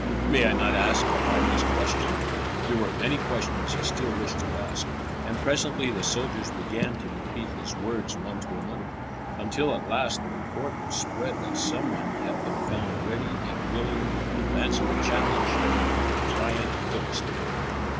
"May I not ask a harmless question?" There were many questions he still wished to ask, and presently the soldiers began to repeat his words one to another, until at last the report was spread that some one had been found ready and willing to answer the challenge of the giant Philistine.